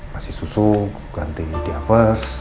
kasih susu ganti diapas